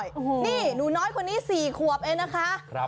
นี่หนูน้อยคนนี้๔ขวบเองนะคะ